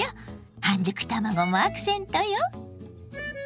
半熟卵もアクセントよ。